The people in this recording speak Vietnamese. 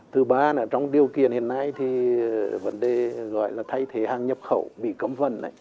thứ ba trong điều kiện hiện nay vấn đề gọi là thay thế hàng nhập khẩu bị cấm vần